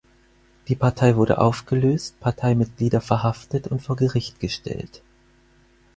Die Partei wurde aufgelöst, Parteimitglieder verhaftet und vor Gericht gestellt.